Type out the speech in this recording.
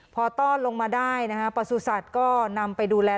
พอต้อนลงมาได้นะฮะประสุทธิ์ก็นำไปดูแล